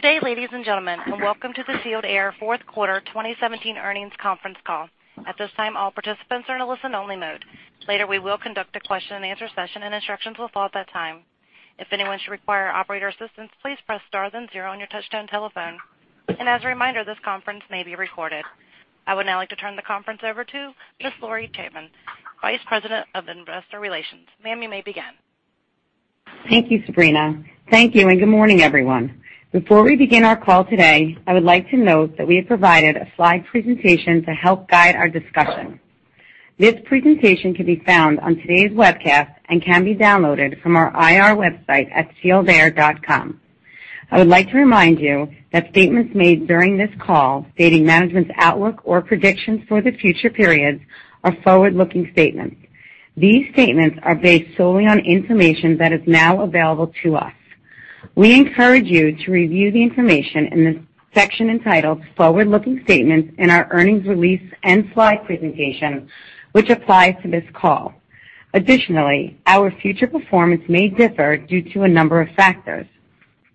Good day, ladies and gentlemen, welcome to the Sealed Air Fourth Quarter 2017 Earnings Conference Call. At this time, all participants are in a listen-only mode. Later, we will conduct a question and answer session, and instructions will follow at that time. If anyone should require operator assistance, please press star then zero on your touch-tone telephone. As a reminder, this conference may be recorded. I would now like to turn the conference over to Ms. Lori Chaitman, Vice President of Investor Relations. Ma'am, you may begin. Thank you, Sabrina. Thank you and good morning, everyone. Before we begin our call today, I would like to note that we have provided a slide presentation to help guide our discussion. This presentation can be found on today's webcast and can be downloaded from our IR website at sealedair.com. I would like to remind you that statements made during this call stating management's outlook or predictions for the future periods are forward-looking statements. These statements are based solely on information that is now available to us. We encourage you to review the information in the section entitled Forward-Looking Statements in our earnings release and slide presentation which apply to this call. Our future performance may differ due to a number of factors.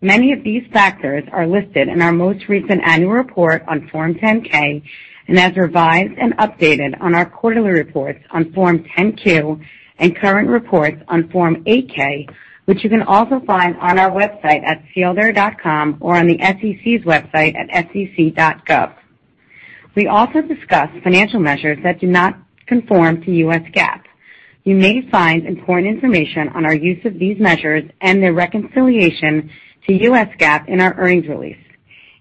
Many of these factors are listed in our most recent annual report on Form 10-K and as revised and updated on our quarterly reports on Form 10-Q and current reports on Form 8-K, which you can also find on our website at sealedair.com or on the SEC's website at sec.gov. We also discuss financial measures that do not conform to US GAAP. You may find important information on our use of these measures and their reconciliation to US GAAP in our earnings release.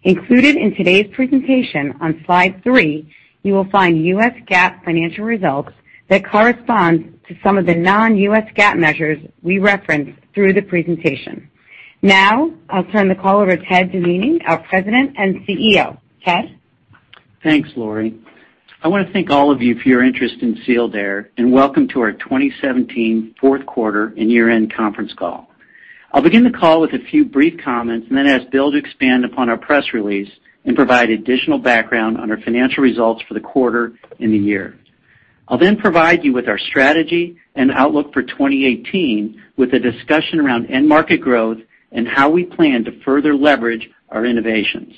Included in today's presentation on slide three, you will find US GAAP financial results that correspond to some of the non-US GAAP measures we reference through the presentation. I'll turn the call over to Ted Doheny, our President and CEO. Ted? Thanks, Lori. I want to thank all of you for your interest in Sealed Air, welcome to our 2017 fourth quarter and year-end conference call. I'll begin the call with a few brief comments, then ask Bill to expand upon our press release and provide additional background on our financial results for the quarter and the year. I'll provide you with our strategy and outlook for 2018 with a discussion around end market growth and how we plan to further leverage our innovations.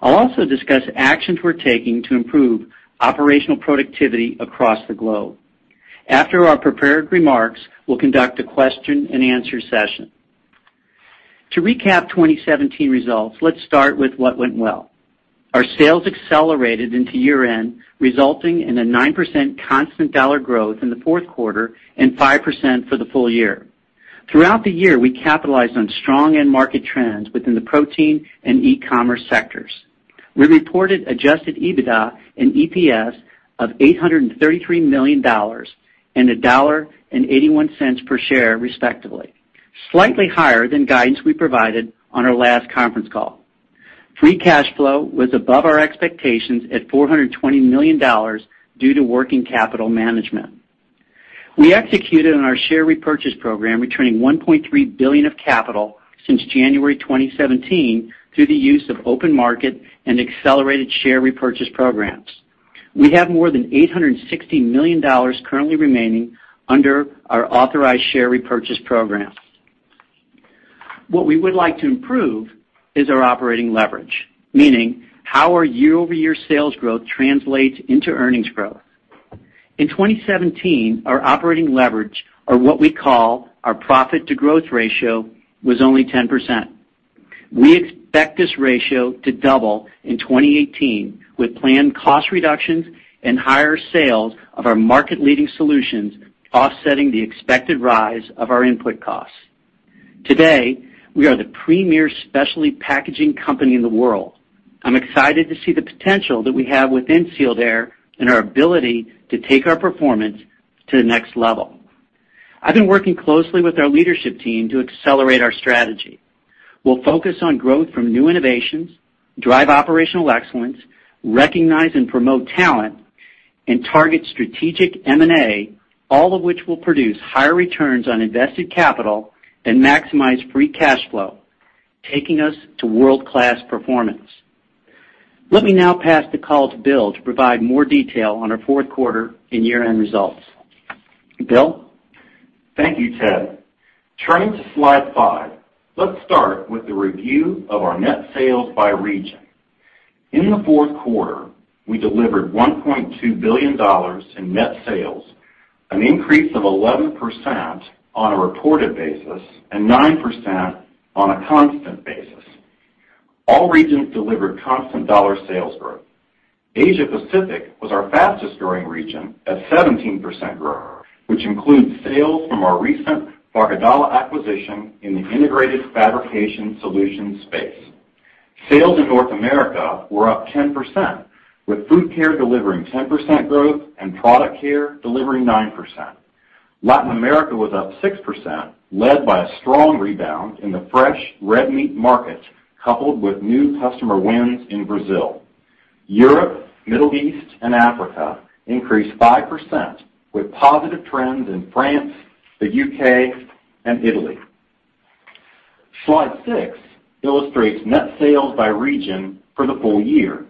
Also discuss actions we're taking to improve operational productivity across the globe. After our prepared remarks, we'll conduct a question and answer session. To recap 2017 results, let's start with what went well. Our sales accelerated into year-end, resulting in a nine % constant dollar growth in the fourth quarter and five % for the full year. Throughout the year, we capitalized on strong end market trends within the protein and e-commerce sectors. We reported adjusted EBITDA and EPS of $833 million and $1.81 per share, respectively, slightly higher than guidance we provided on our last conference call. Free cash flow was above our expectations at $420 million due to working capital management. We executed on our share repurchase program, returning $1.3 billion of capital since January 2017 through the use of open market and accelerated share repurchase programs. We have more than $860 million currently remaining under our authorized share repurchase program. What we would like to improve is our operating leverage, meaning how our year-over-year sales growth translates into earnings growth. In 2017, our operating leverage or what we call our profit to growth ratio, was only 10%. We expect this ratio to double in 2018 with planned cost reductions and higher sales of our market-leading solutions offsetting the expected rise of our input costs. Today, we are the premier specialty packaging company in the world. I'm excited to see the potential that we have within Sealed Air and our ability to take our performance to the next level. I've been working closely with our leadership team to accelerate our strategy. We'll focus on growth from new innovations, drive operational excellence, recognize and promote talent, and target strategic M&A, all of which will produce higher returns on invested capital and maximize free cash flow, taking us to world-class performance. Let me now pass the call to Bill to provide more detail on our fourth quarter and year-end results. Bill? Thank you, Ted. Turning to slide five, let's start with the review of our net sales by region. In the fourth quarter, we delivered $1.2 billion in net sales, an increase of 11% on a reported basis and 9% on a constant basis. All regions delivered constant dollar sales growth. Asia-Pacific was our fastest-growing region at 17% growth, which includes sales from our recent Fagerdala acquisition in the integrated fabrication solutions space. Sales in North America were up 10%, with Food Care delivering 10% growth and Product Care delivering 9%. Latin America was up 6%, led by a strong rebound in the fresh red meat market, coupled with new customer wins in Brazil. Europe, Middle East, and Africa increased 5% with positive trends in France, the U.K., and Italy. Slide six illustrates net sales by region for the full year.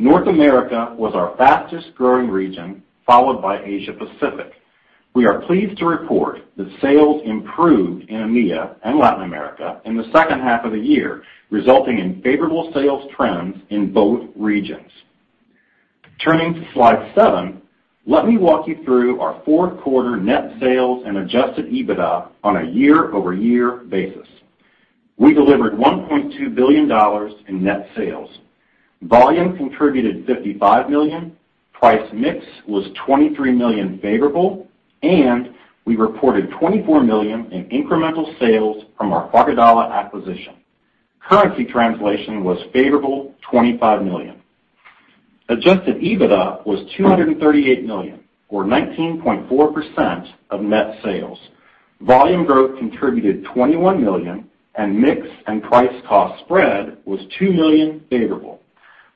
North America was our fastest-growing region, followed by Asia-Pacific. We are pleased to report that sales improved in EMEA and Latin America in the second half of the year, resulting in favorable sales trends in both regions. Turning to slide seven, let me walk you through our fourth quarter net sales and adjusted EBITDA on a year-over-year basis. We delivered $1.2 billion in net sales. Volume contributed $55 million, price mix was $23 million favorable, and we reported $24 million in incremental sales from our Fagerdala acquisition. Currency translation was favorable $25 million. Adjusted EBITDA was $238 million, or 19.4% of net sales. Volume growth contributed $21 million, and mix and price-cost spread was $2 million favorable.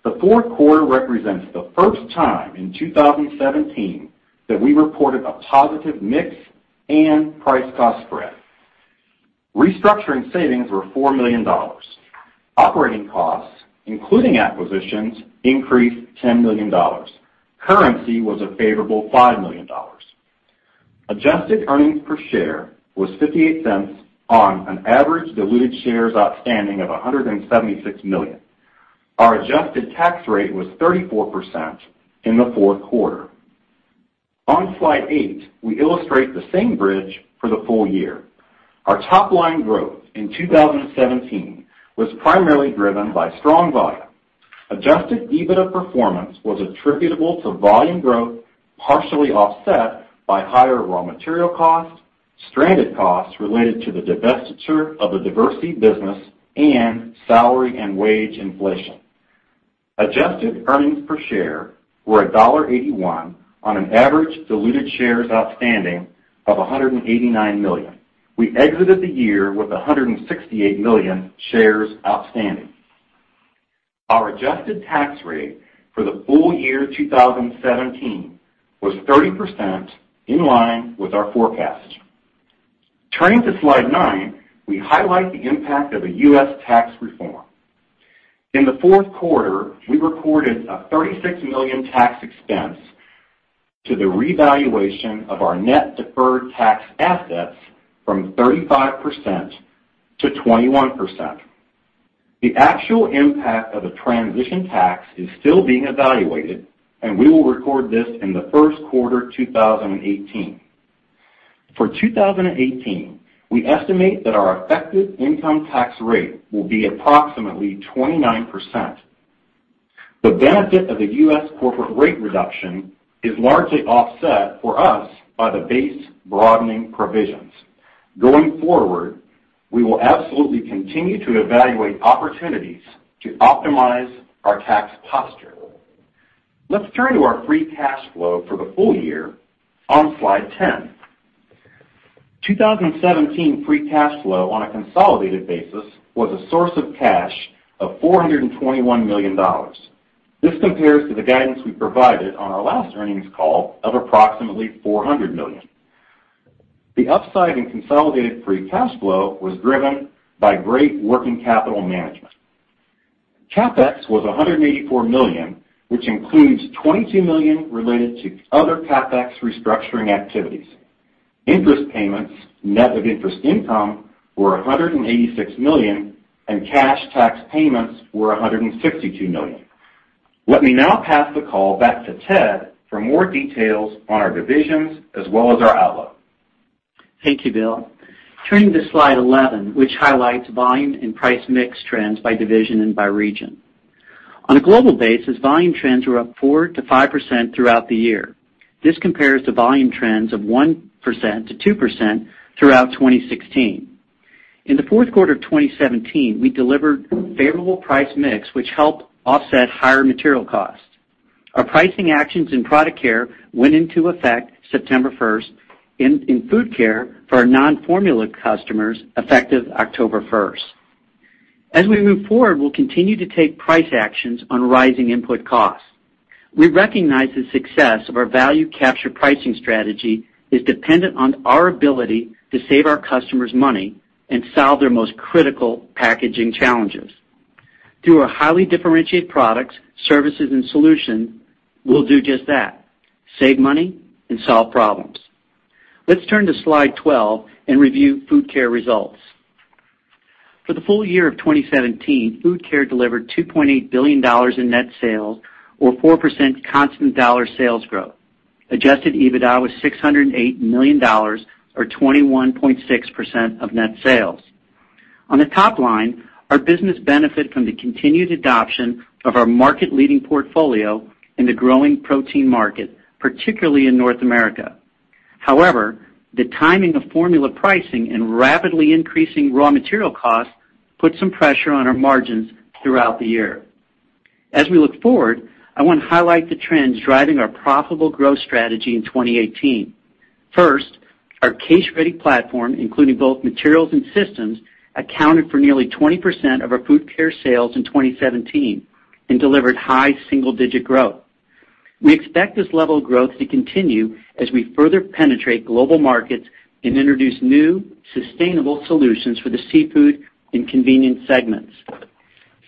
The fourth quarter represents the first time in 2017 that we reported a positive mix and price-cost spread. Restructuring savings were $4 million. Operating costs, including acquisitions, increased $10 million. Currency was a favorable $5 million. Adjusted earnings per share was $0.58 on an average diluted shares outstanding of 176 million. Our adjusted tax rate was 34% in the fourth quarter. On slide eight, we illustrate the same bridge for the full year. Our top-line growth in 2017 was primarily driven by strong volume. Adjusted EBITDA performance was attributable to volume growth, partially offset by higher raw material costs, stranded costs related to the divestiture of the Diversey business, and salary and wage inflation. Adjusted earnings per share were $1.81 on an average diluted shares outstanding of 189 million. We exited the year with 168 million shares outstanding. Our adjusted tax rate for the full year 2017 was 30%, in line with our forecast. Turning to slide nine, we highlight the impact of the U.S. tax reform. In the fourth quarter, we recorded a $36 million tax expense to the revaluation of our net deferred tax assets from 35% to 21%. The actual impact of the transition tax is still being evaluated, and we will record this in the first quarter 2018. For 2018, we estimate that our effective income tax rate will be approximately 29%. The benefit of the U.S. corporate rate reduction is largely offset for us by the base broadening provisions. Going forward, we will absolutely continue to evaluate opportunities to optimize our tax posture. Let's turn to our free cash flow for the full year on slide 10. 2017 free cash flow on a consolidated basis was a source of cash of $421 million. This compares to the guidance we provided on our last earnings call of approximately $400 million. The upside in consolidated free cash flow was driven by great working capital management. CapEx was $184 million, which includes $22 million related to other CapEx restructuring activities. Interest payments, net of interest income, were $186 million, and cash tax payments were $162 million. Let me now pass the call back to Ted for more details on our divisions as well as our outlook. Thank you, Bill. Turning to slide 11, which highlights volume and price mix trends by division and by region. On a global basis, volume trends were up 4% to 5% throughout the year. This compares to volume trends of 1% to 2% throughout 2016. In the fourth quarter of 2017, we delivered favorable price mix, which helped offset higher material costs. Our pricing actions in Product Care went into effect September 1st. In Food Care, for our non-formula customers, effective October 1st. As we move forward, we'll continue to take price actions on rising input costs. We recognize the success of our value capture pricing strategy is dependent on our ability to save our customers money and solve their most critical packaging challenges. Through our highly differentiated products, services, and solution, we'll do just that, save money and solve problems. Let's turn to slide 12 and review Food Care results. For the full year of 2017, Food Care delivered $2.8 billion in net sales or 4% constant dollar sales growth. Adjusted EBITDA was $608 million or 21.6% of net sales. On the top line, our business benefit from the continued adoption of our market-leading portfolio in the growing protein market, particularly in North America. However, the timing of formula pricing and rapidly increasing raw material costs put some pressure on our margins throughout the year. As we look forward, I want to highlight the trends driving our profitable growth strategy in 2018. First, our case-ready platform, including both materials and systems, accounted for nearly 20% of our Food Care sales in 2017 and delivered high single-digit growth. We expect this level of growth to continue as we further penetrate global markets and introduce new sustainable solutions for the seafood and convenience segments.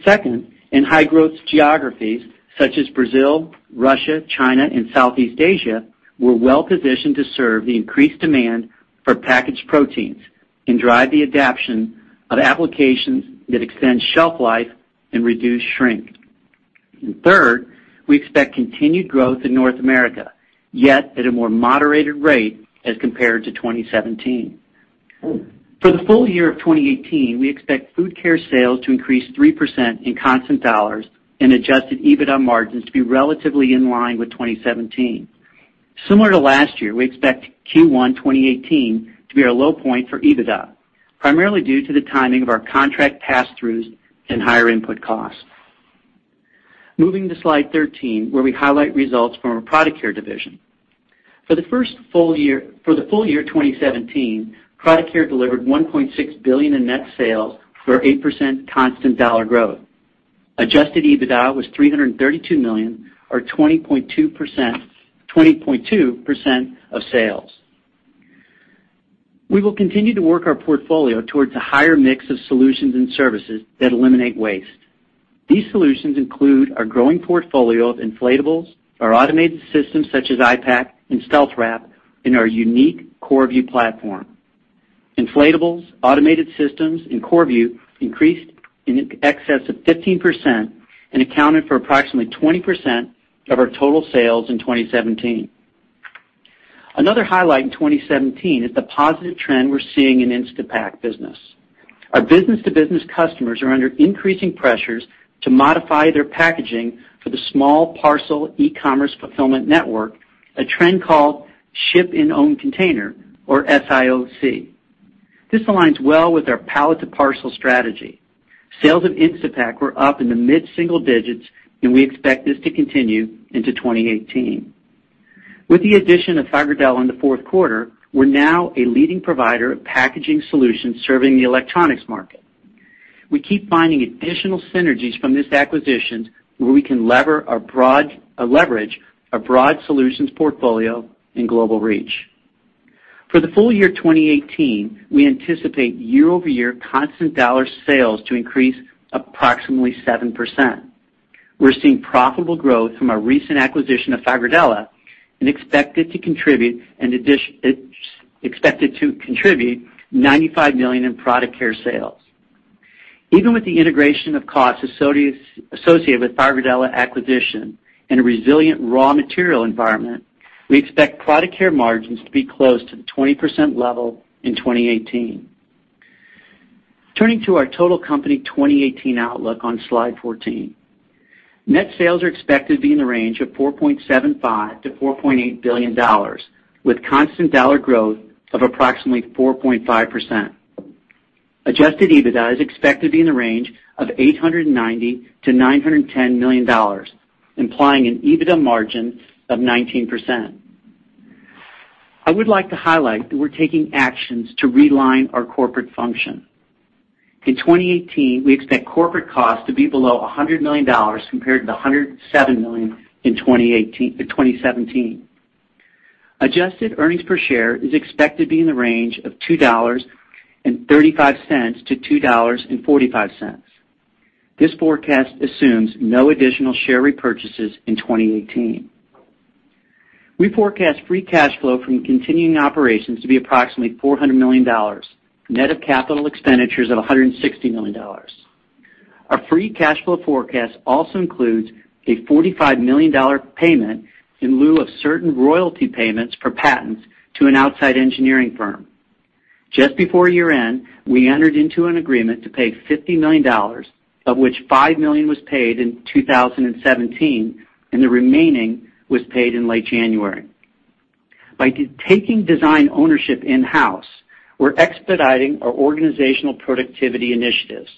Second, in high-growth geographies such as Brazil, Russia, China, and Southeast Asia, we're well-positioned to serve the increased demand for packaged proteins and drive the adaption of applications that extend shelf life and reduce shrink. Third, we expect continued growth in North America, yet at a more moderated rate as compared to 2017. For the full year of 2018, we expect Food Care sales to increase 3% in constant dollars and adjusted EBITDA margins to be relatively in line with 2017. Similar to last year, we expect Q1 2018 to be our low point for EBITDA, primarily due to the timing of our contract passthroughs and higher input costs. Moving to slide 13, where we highlight results from our Product Care division. For the full year 2017, Product Care delivered $1.6 billion in net sales for 8% constant dollar growth. Adjusted EBITDA was $332 million or 20.2% of sales. We will continue to work our portfolio towards a higher mix of solutions and services that eliminate waste. These solutions include our growing portfolio of inflatables, our automated systems such as I-Pack and StealthWrap, and our unique CoreView platform. inflatables, automated systems, and CoreView increased in excess of 15% and accounted for approximately 20% of our total sales in 2017. Another highlight in 2017 is the positive trend we're seeing in Instapak business. Our business-to-business customers are under increasing pressures to modify their packaging for the small parcel e-commerce fulfillment network, a trend called ship-in-own-container or SIOC. This aligns well with our pallet-to-parcel strategy. Sales of Instapak were up in the mid-single digits, and we expect this to continue into 2018. With the addition of Fagerdala in the fourth quarter, we're now a leading provider of packaging solutions serving the electronics market. We keep finding additional synergies from this acquisition where we can leverage our broad solutions portfolio and global reach. For the full year 2018, we anticipate year-over-year constant dollar sales to increase approximately 7%. We're seeing profitable growth from our recent acquisition of Fagerdala and expect it to contribute $95 million in Product Care sales. Even with the integration of costs associated with Fagerdala acquisition and a resilient raw material environment, we expect Product Care margins to be close to the 20% level in 2018. Turning to our total company 2018 outlook on Slide 14. Net sales are expected to be in the range of $4.75 billion-$4.8 billion, with constant dollar growth of approximately 4.5%. Adjusted EBITDA is expected to be in the range of $890 million-$910 million, implying an EBITDA margin of 19%. I would like to highlight that we're taking actions to realign our corporate function. In 2018, we expect corporate costs to be below $100 million compared to the $107 million in 2017. Adjusted earnings per share is expected to be in the range of $2.35-$2.45. This forecast assumes no additional share repurchases in 2018. We forecast free cash flow from continuing operations to be approximately $400 million, net of capital expenditures of $160 million. Our free cash flow forecast also includes a $45 million payment in lieu of certain royalty payments for patents to an outside engineering firm. Just before year-end, we entered into an agreement to pay $50 million, of which $5 million was paid in 2017, and the remaining was paid in late January. By taking design ownership in-house, we're expediting our organizational productivity initiatives.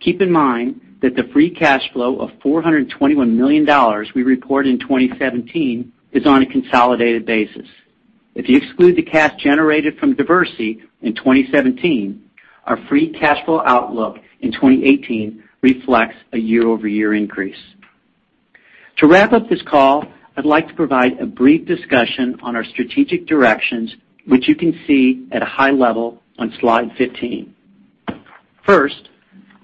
Keep in mind that the free cash flow of $421 million we reported in 2017 is on a consolidated basis. If you exclude the cash generated from Diversey in 2017, our free cash flow outlook in 2018 reflects a year-over-year increase. To wrap up this call, I'd like to provide a brief discussion on our strategic directions, which you can see at a high level on Slide 15. First,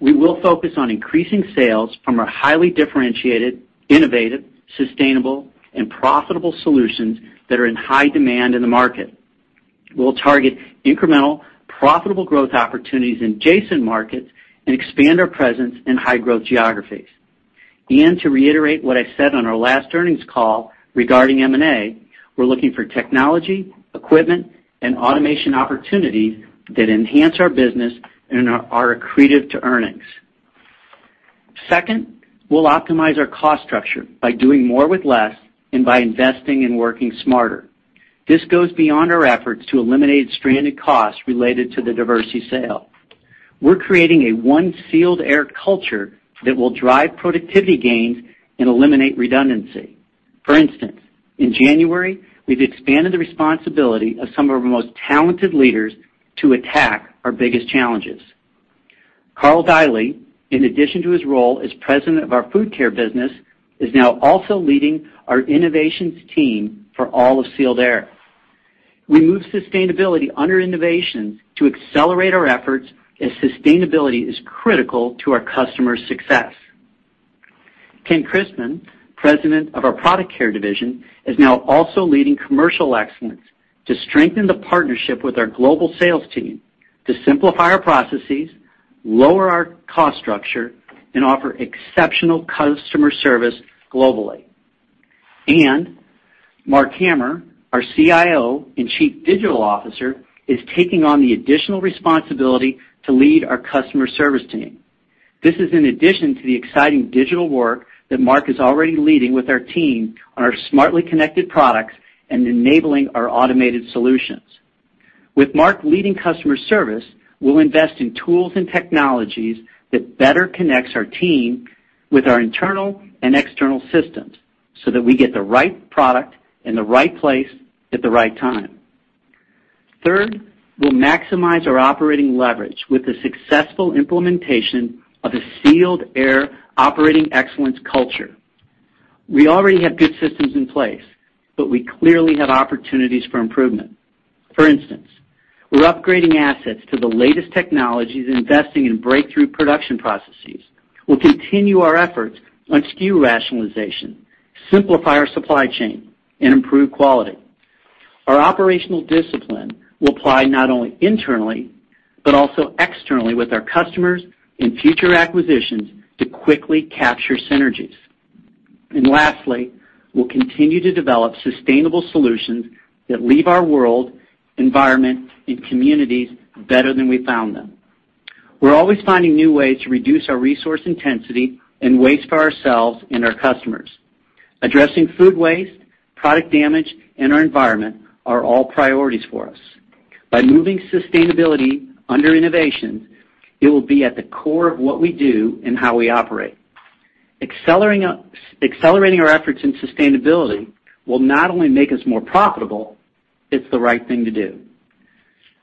we will focus on increasing sales from our highly differentiated, innovative, sustainable, and profitable solutions that are in high demand in the market. We'll target incremental, profitable growth opportunities in adjacent markets and expand our presence in high-growth geographies. To reiterate what I said on our last earnings call regarding M&A, we're looking for technology, equipment, and automation opportunities that enhance our business and are accretive to earnings. Second, we'll optimize our cost structure by doing more with less and by investing and working smarter. This goes beyond our efforts to eliminate stranded costs related to the Diversey sale. We're creating a One Sealed Air culture that will drive productivity gains and eliminate redundancy. For instance, in January, we've expanded the responsibility of some of our most talented leaders to attack our biggest challenges. Karl Deily, in addition to his role as president of our Food Care business, is now also leading our innovations team for all of Sealed Air. We moved sustainability under innovations to accelerate our efforts, as sustainability is critical to our customers' success. Ken Chrisman, president of our Product Care division, is now also leading commercial excellence to strengthen the partnership with our global sales team, to simplify our processes, lower our cost structure, and offer exceptional customer service globally. Marc Hamer, our CIO and chief digital officer, is taking on the additional responsibility to lead our customer service team. This is in addition to the exciting digital work that Marc is already leading with our team on our smartly connected products and enabling our automated solutions. With Marc leading customer service, we'll invest in tools and technologies that better connects our team with our internal and external systems, so that we get the right product in the right place at the right time. Third, we'll maximize our operating leverage with the successful implementation of a Sealed Air operating excellence culture. We already have good systems in place, but we clearly have opportunities for improvement. For instance, we're upgrading assets to the latest technologies, investing in breakthrough production processes. We'll continue our efforts on SKU rationalization, simplify our supply chain, and improve quality. Our operational discipline will apply not only internally, but also externally with our customers and future acquisitions to quickly capture synergies. Lastly, we'll continue to develop sustainable solutions that leave our world, environment, and communities better than we found them. We're always finding new ways to reduce our resource intensity and waste for ourselves and our customers. Addressing food waste, product damage, and our environment are all priorities for us. By moving sustainability under innovations, it will be at the core of what we do and how we operate. Accelerating our efforts in sustainability will not only make us more profitable, it's the right thing to do.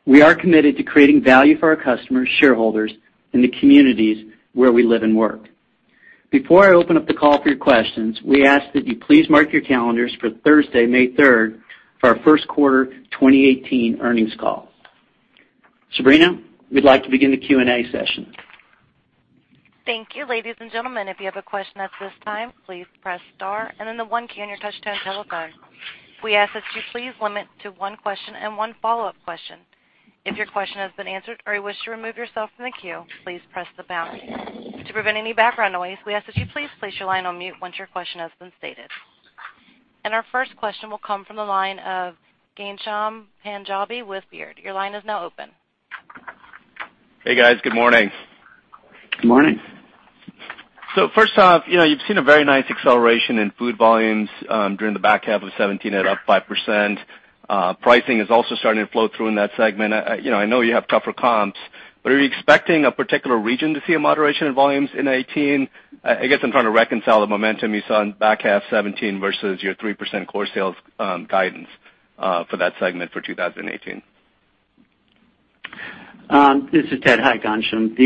We are committed to creating value for our customers, shareholders, and the communities where we live and work. Before I open up the call for your questions, we ask that you please mark your calendars for Thursday, May 3rd for our first quarter 2018 earnings call. Sabrina, we'd like to begin the Q&A session. Thank you. Ladies and gentlemen, if you have a question at this time, please press star and then the one key on your touch-tone telephone. We ask that you please limit to one question and one follow-up question. If your question has been answered or you wish to remove yourself from the queue, please press the pound key. To prevent any background noise, we ask that you please place your line on mute once your question has been stated. Our first question will come from the line of Ghansham Panjabi with Baird. Your line is now open. Hey, guys. Good morning. Good morning. First off, you've seen a very nice acceleration in food volumes during the back half of 2017 at up 5%. Pricing is also starting to flow through in that segment. I know you have tougher comps, are you expecting a particular region to see a moderation in volumes in 2018? I guess I'm trying to reconcile the momentum you saw in back half 2017 versus your 3% core sales guidance for that segment for 2018. This is Ted. Hi, Ghansham.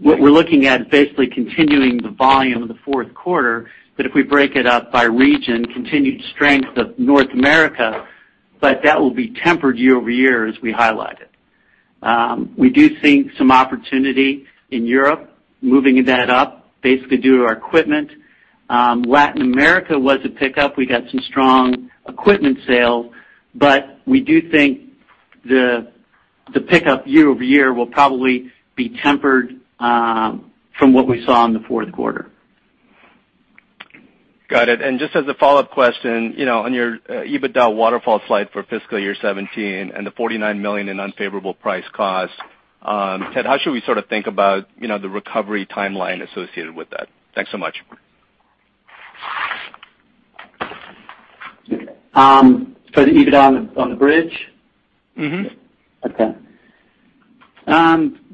We're looking at is basically continuing the volume of the fourth quarter, if we break it up by region, continued strength of North America, that will be tempered year-over-year as we highlighted. We do see some opportunity in Europe, moving that up, basically due to our equipment. Latin America was a pickup. We got some strong equipment sales, we do think the pickup year-over-year will probably be tempered from what we saw in the fourth quarter. Got it. Just as a follow-up question, on your EBITDA waterfall slide for fiscal year 2017 and the $49 million in unfavorable price cost, Ted, how should we sort of think about the recovery timeline associated with that? Thanks so much. For the EBITDA on the bridge? Okay.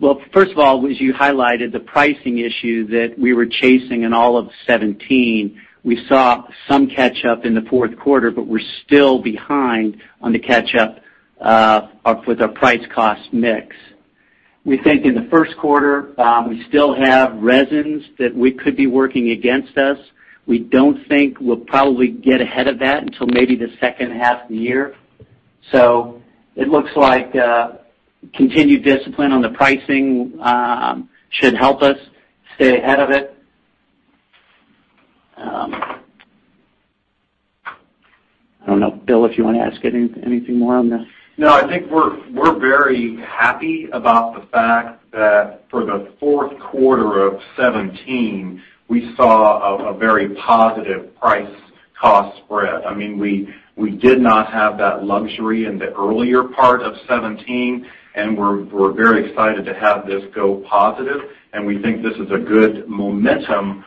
Well, first of all, as you highlighted, the pricing issue that we were chasing in all of 2017, we saw some catch up in the fourth quarter, but we're still behind on the catch up with our price cost mix. We think in the first quarter, we still have resins that could be working against us. We don't think we'll probably get ahead of that until maybe the second half of the year. It looks like continued discipline on the pricing should help us stay ahead of it. I don't know, Bill, if you want to add anything more on that. I think we're very happy about the fact that for the fourth quarter of 2017, we saw a very positive price cost spread. We did not have that luxury in the earlier part of 2017. We're very excited to have this go positive, and we think this is a good momentum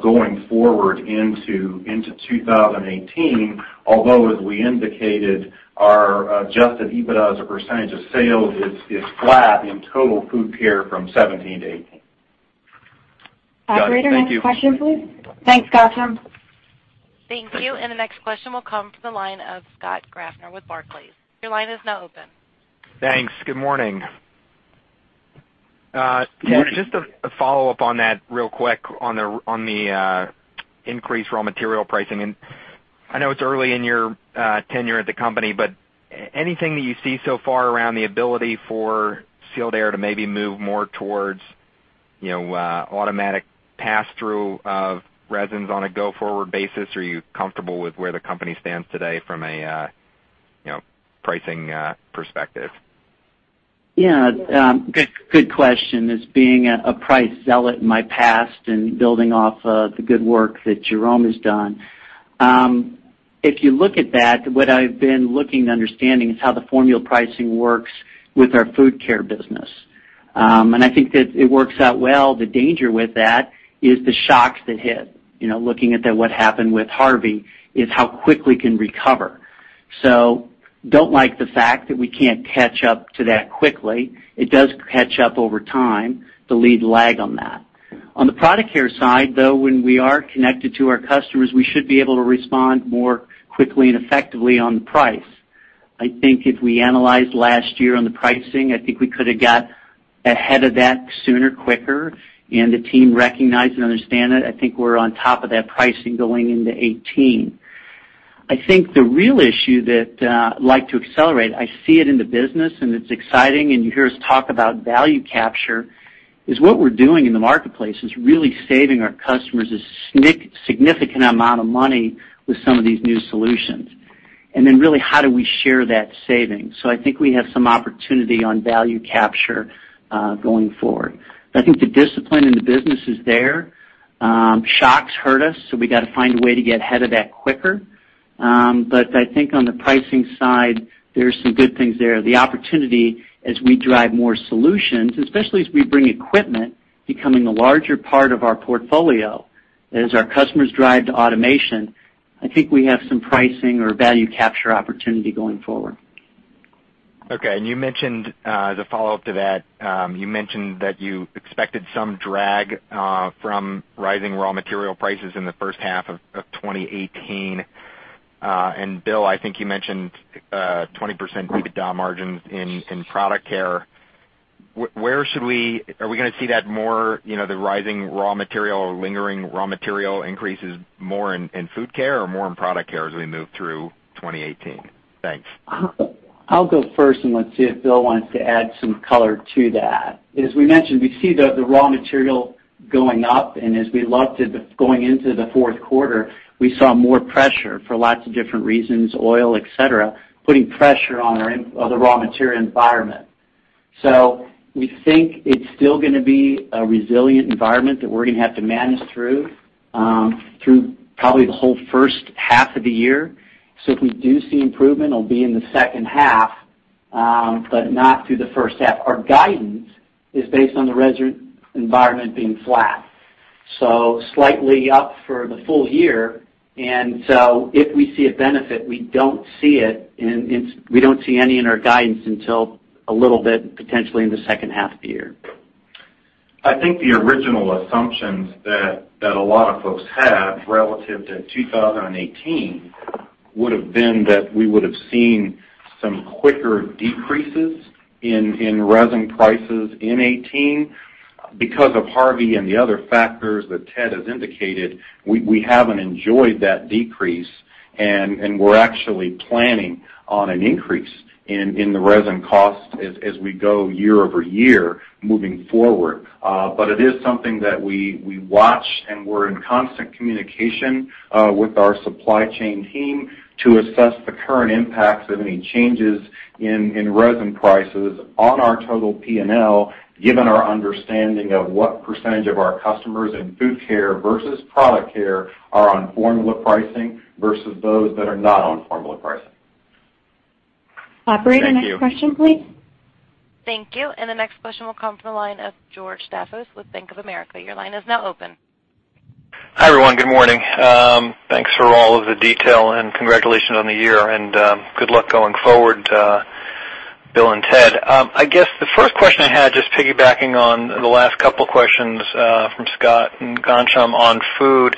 going forward into 2018, although, as we indicated, our adjusted EBITDA as a percentage of sales is flat in total Food Care from 2017 to 2018. Got it. Thank you. Operator, next question, please. Thanks, Ghansham. Thank you. The next question will come from the line of Scott Gaffner with Barclays. Your line is now open. Thanks. Good morning. Ted, just a follow-up on that real quick on the increased raw material pricing. I know it's early in your tenure at the company, but anything that you see so far around the ability for Sealed Air to maybe move more towards automatic pass-through of resins on a go-forward basis? Are you comfortable with where the company stands today from a pricing perspective? Yeah. Good question. As being a price zealot in my past and building off of the good work that Jerome has done. If you look at that, what I've been looking to understand is how the formula pricing works with our Food Care business. I think that it works out well. The danger with that is the shocks that hit. Looking at what happened with Harvey, is how quickly it can recover. Don't like the fact that we can't catch up to that quickly. It does catch up over time, the lead lag on that. On the Product Care side, though, when we are connected to our customers, we should be able to respond more quickly and effectively on price. I think if we analyzed last year on the pricing, I think we could have got ahead of that sooner, quicker, and the team recognized and understand it. I think we're on top of that pricing going into 2018. I think the real issue that I'd like to accelerate, I see it in the business, and it's exciting, and you hear us talk about value capture, is what we're doing in the marketplace is really saving our customers a significant amount of money with some of these new solutions. How do we share that saving? I think we have some opportunity on value capture, going forward. I think the discipline in the business is there. Shocks hurt us, we got to find a way to get ahead of that quicker. I think on the pricing side, there's some good things there. The opportunity as we drive more solutions, especially as we bring equipment, becoming a larger part of our portfolio. As our customers drive to automation, I think we have some pricing or value capture opportunity going forward. Okay. As a follow-up to that, you mentioned that you expected some drag from rising raw material prices in the first half of 2018. Bill, I think you mentioned 20% EBITDA margins in Product Care. Are we going to see the rising raw material or lingering raw material increases more in Food Care or more in Product Care as we move through 2018? Thanks. I'll go first, let's see if Bill wants to add some color to that. As we mentioned, we see the raw material going up, as we looked at going into the fourth quarter, we saw more pressure for lots of different reasons, oil, et cetera, putting pressure on the raw material environment. We think it's still going to be a resilient environment that we're going to have to manage through probably the whole first half of the year. If we do see improvement, it'll be in the second half, but not through the first half. Our guidance is based on the resin environment being flat, slightly up for the full year. If we see a benefit, we don't see any in our guidance until a little bit, potentially in the second half of the year. I think the original assumptions that a lot of folks had relative to 2018 would've been that we would've seen some quicker decreases in resin prices in 2018. Because of Harvey and the other factors that Ted has indicated, we haven't enjoyed that decrease, and we're actually planning on an increase in the resin cost as we go year-over-year moving forward. It is something that we watch, and we're in constant communication with our supply chain team to assess the current impacts of any changes in resin prices on our total P&L, given our understanding of what % of our customers in Food Care versus Product Care are on formula pricing versus those that are not on formula pricing. Thank you. Operator, next question, please. Thank you. The next question will come from the line of George Staphos with Bank of America. Your line is now open. Hi, everyone. Good morning. Thanks for all of the detail and congratulations on the year, and good luck going forward, Bill and Ted. I guess the first question I had, just piggybacking on the last couple questions from Scott and Ghansham on food.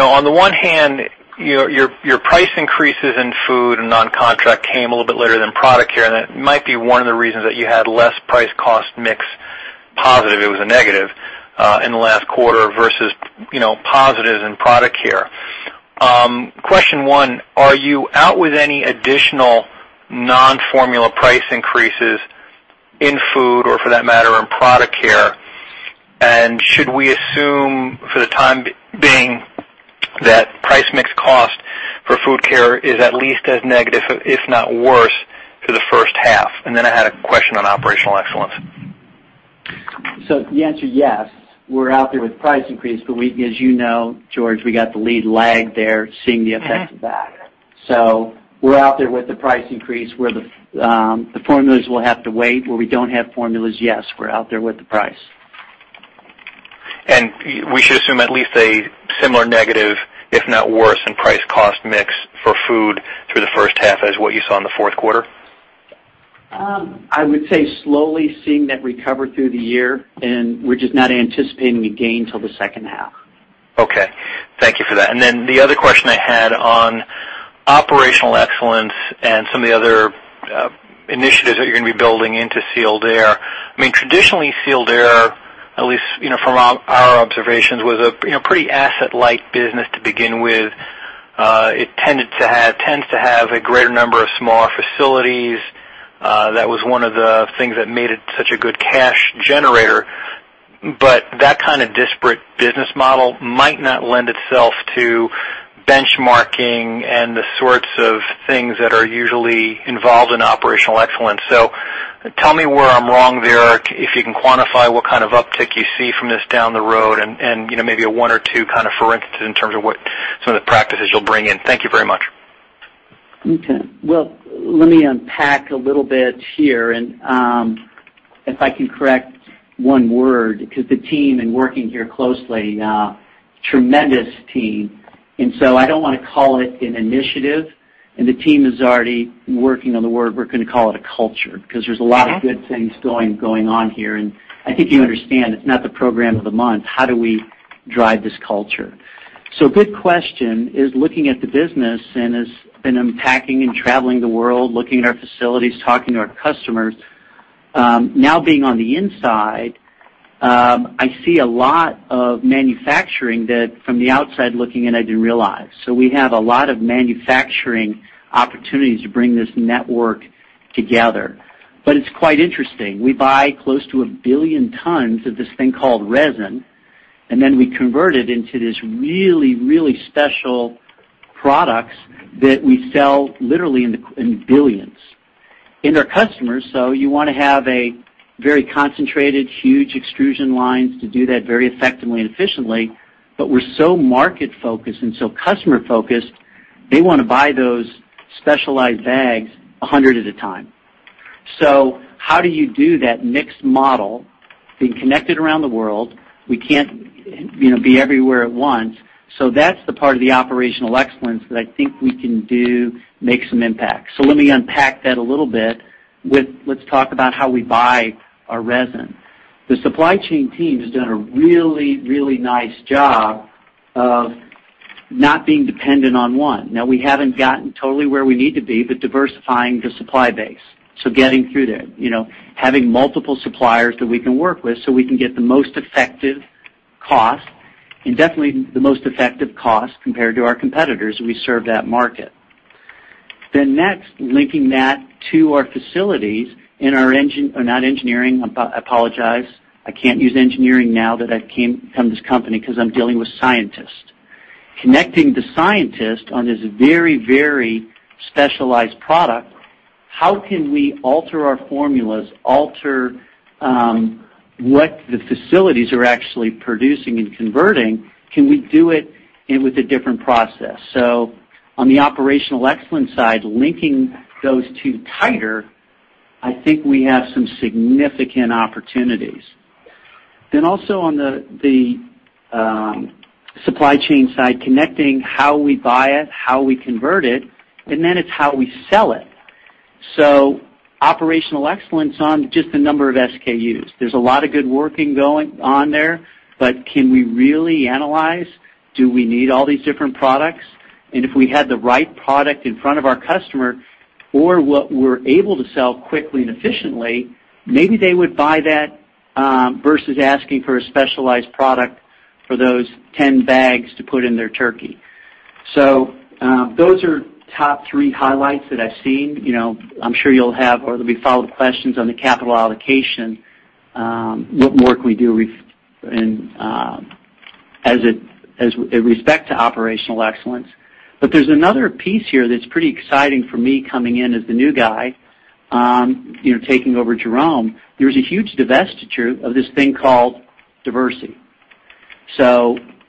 On the one hand, your price increases in food and non-contract came a little bit later than Product Care, and that might be one of the reasons that you had less price cost mix positive, it was a negative, in the last quarter versus positives in Product Care. Question one, are you out with any additional non-formula price increases in food or for that matter, in Product Care? Should we assume for the time being that price mix cost for Food Care is at least as negative, if not worse, through the first half? I had a question on operational excellence. The answer, yes. We're out there with price increase, but as you know, George, we got the lead lag there, seeing the effects of that. We're out there with the price increase. The formulas will have to wait. Where we don't have formulas, yes, we're out there with the price. We should assume at least a similar negative, if not worse, in price cost mix for food through the first half as what you saw in the fourth quarter? I would say slowly seeing that recover through the year, and we're just not anticipating a gain till the second half. Okay. Thank you for that. The other question I had on operational excellence and some of the other initiatives that you're going to be building into Sealed Air. Traditionally, Sealed Air, at least from our observations, was a pretty asset-light business to begin with. It tends to have a greater number of smaller facilities. That was one of the things that made it such a good cash generator. That kind of disparate business model might not lend itself to benchmarking and the sorts of things that are usually involved in operational excellence. Tell me where I'm wrong there. If you can quantify what kind of uptick you see from this down the road and maybe one or two for instance, in terms of what some of the practices you'll bring in. Thank you very much. Okay. Well, let me unpack a little bit here and if I can correct one word, because the team, in working here closely, tremendous team. I don't want to call it an initiative, the team is already working on the word, we're going to call it a culture, because there's a lot of good things going on here. I think you understand, it's not the program of the month. How do we drive this culture? Good question is looking at the business and has been unpacking and traveling the world, looking at our facilities, talking to our customers. Now being on the inside, I see a lot of manufacturing that from the outside looking in, I didn't realize. We have a lot of manufacturing opportunities to bring this network together. It's quite interesting. We buy close to a billion tons of this thing called resin, then we convert it into these really, really special products that we sell literally in the billions. Our customers, you want to have a very concentrated, huge extrusion lines to do that very effectively and efficiently, we're so market-focused and so customer-focused, they want to buy those specialized bags 100 at a time. How do you do that mixed model being connected around the world? We can't be everywhere at once. That's the part of the operational excellence that I think we can do, make some impact. Let me unpack that a little bit with, let's talk about how we buy our resin. The supply chain team has done a really, really nice job of not being dependent on one. Now we haven't gotten totally where we need to be, diversifying the supply base. Getting through there. Having multiple suppliers that we can work with so we can get the most effective cost, definitely the most effective cost compared to our competitors. We serve that market. Next, linking that to our facilities in our engineering. I apologize. I can't use engineering now that I've come to this company because I'm dealing with scientists. Connecting the scientists on this very, very specialized product, how can we alter our formulas, alter what the facilities are actually producing and converting? Can we do it and with a different process? On the operational excellence side, linking those two tighter, I think we have some significant opportunities. Also on the supply chain side, connecting how we buy it, how we convert it, and it's how we sell it. Operational excellence on just the number of SKUs. There's a lot of good working going on there, but can we really analyze, do we need all these different products? If we had the right product in front of our customer or what we're able to sell quickly and efficiently, maybe they would buy that, versus asking for a specialized product for those 10 bags to put in their turkey. Those are top three highlights that I've seen. I'm sure you'll have, or there'll be follow-up questions on the capital allocation. What more can we do in respect to operational excellence? There's another piece here that's pretty exciting for me coming in as the new guy, taking over Jerome. There's a huge divestiture of this thing called Diversey.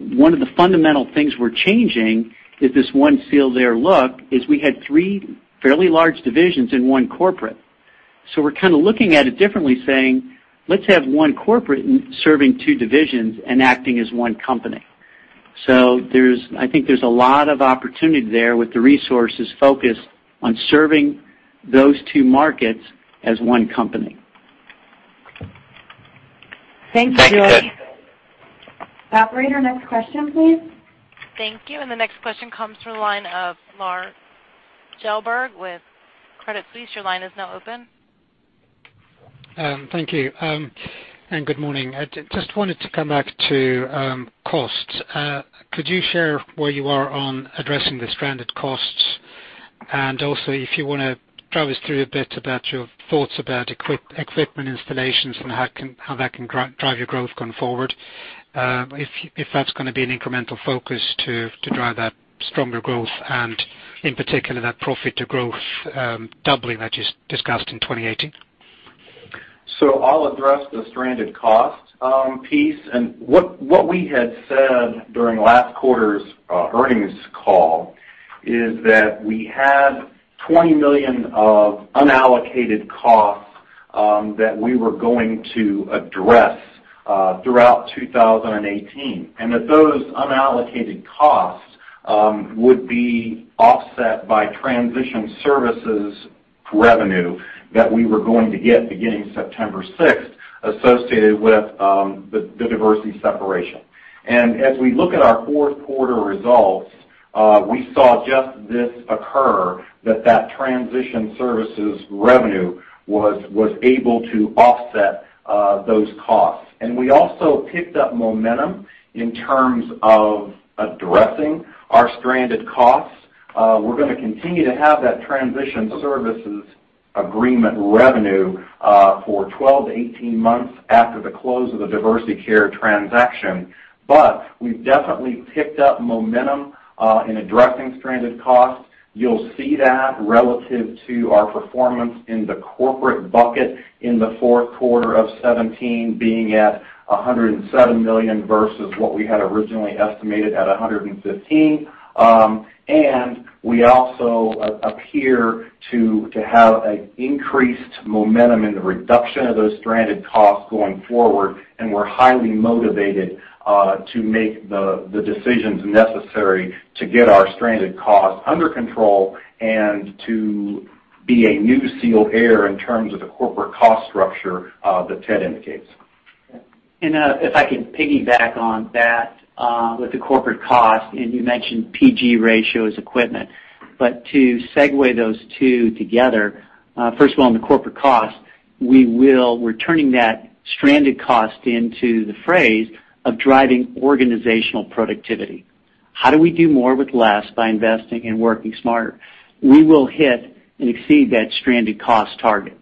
One of the fundamental things we're changing is this One Sealed Air look, is we had three fairly large divisions and one corporate. We're kind of looking at it differently, saying, "Let's have one corporate serving two divisions and acting as one company." I think there's a lot of opportunity there with the resources focused on serving those two markets as one company. Thanks, George. Operator, next question, please. Thank you. The next question comes from the line of Lars Kjellberg with Credit Suisse. Your line is now open. Thank you. Good morning. I just wanted to come back to costs. Could you share where you are on addressing the stranded costs? Also if you want to drive us through a bit about your thoughts about equipment installations and how that can drive your growth going forward, if that's going to be an incremental focus to drive that stronger growth and in particular, that profit to growth doubling that you discussed in 2018. I'll address the stranded cost piece. What we had said during last quarter's earnings call is that we had $20 million of unallocated costs, that we were going to address throughout 2018. Those unallocated costs would be offset by transition services revenue that we were going to get beginning September 6th associated with the Diversey separation. As we look at our fourth quarter results, we saw just this occur, that transition services revenue was able to offset those costs. We also picked up momentum in terms of addressing our stranded costs. We're going to continue to have that transition services agreement revenue for 12-18 months after the close of the Diversey Care transaction. We've definitely picked up momentum in addressing stranded costs. You'll see that relative to our performance in the corporate bucket in the fourth quarter of 2017 being at $107 million versus what we had originally estimated at $115 million. We also appear to have an increased momentum in the reduction of those stranded costs going forward, and we're highly motivated to make the decisions necessary to get our stranded costs under control and to be a new Sealed Air in terms of the corporate cost structure that Ted indicates. If I could piggyback on that with the corporate cost, you mentioned PG ratio as equipment. To segue those two together, first of all, on the corporate cost, we're turning that stranded cost into the phrase of driving organizational productivity. How do we do more with less by investing and working smarter? We will hit and exceed that stranded cost target.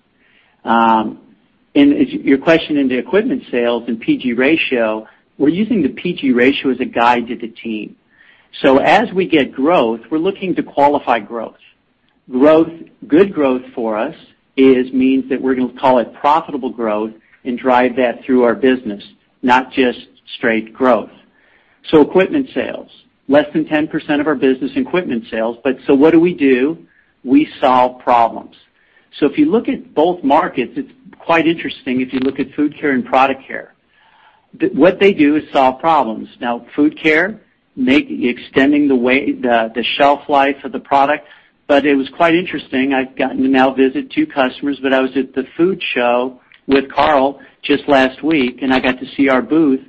As your question into equipment sales and PG ratio, we're using the PG ratio as a guide to the team. As we get growth, we're looking to qualify growth. Good growth for us means that we're going to call it profitable growth and drive that through our business, not just straight growth. Equipment sales. Less than 10% of our business is equipment sales, but so what do we do? We solve problems. If you look at both markets, it's quite interesting if you look at Food Care and Product Care. What they do is solve problems. Food Care, extending the shelf life of the product. It was quite interesting. I've gotten to now visit two customers, but I was at the food show with Karl just last week, and I got to see our booth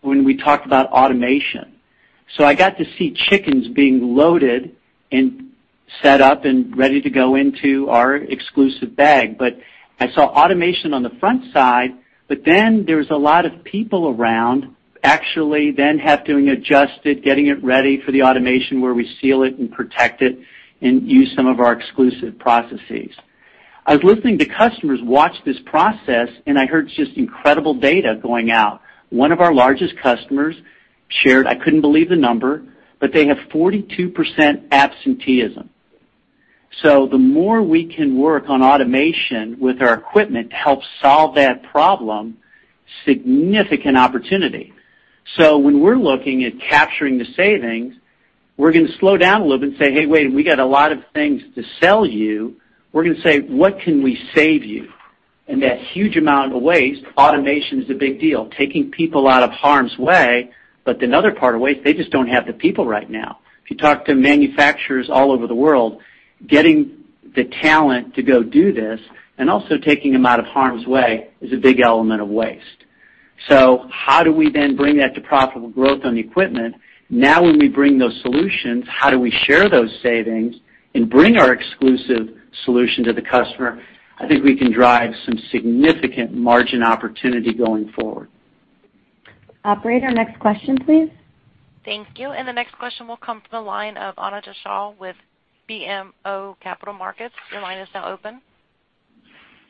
when we talked about automation. I got to see chickens being loaded and set up and ready to go into our exclusive bag. I saw automation on the front side, but then there was a lot of people around, actually then have to adjust it, getting it ready for the automation where we seal it and protect it and use some of our exclusive processes. I was listening to customers watch this process, and I heard just incredible data going out. One of our largest customers shared, I couldn't believe the number, but they have 42% absenteeism. The more we can work on automation with our equipment to help solve that problem, significant opportunity. When we're looking at capturing the savings, we're going to slow down a little bit and say, "Hey, wait, we got a lot of things to sell you." We're going to say, "What can we save you?" That huge amount of waste, automation's a big deal. Taking people out of harm's way, but another part of waste, they just don't have the people right now. If you talk to manufacturers all over the world, getting the talent to go do this and also taking them out of harm's way is a big element of waste. How do we then bring that to profitable growth on the equipment? When we bring those solutions, how do we share those savings and bring our exclusive solution to the customer? I think we can drive some significant margin opportunity going forward. Operator, next question, please. Thank you. The next question will come from the line of Anojja Shah with BMO Capital Markets. Your line is now open.